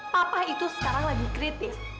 papa itu sekarang lagi kritis